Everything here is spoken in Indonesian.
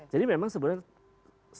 jadi memang sebenarnya